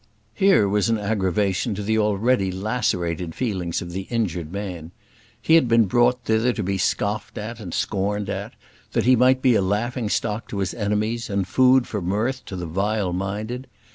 Here was an aggravation to the already lacerated feelings of the injured man. He had been brought thither to be scoffed at and scorned at, that he might be a laughing stock to his enemies, and food for mirth to the vile minded.